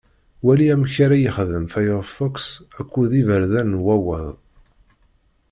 Wali amek ara yexdem Firefox akked iberdan n wawwaḍ